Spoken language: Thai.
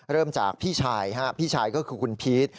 เริ่มจากพี่ชายพี่ชายก็คือคุณพีช